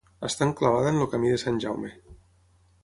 Està enclavada en el Camí de Sant Jaume.